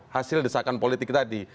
hasil desakan politik tadi